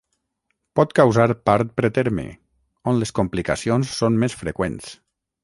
Pot causar part preterme, on les complicacions són més freqüents.